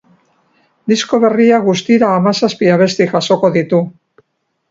Disko berriak guztira hamazazpi abesti jasoko ditu.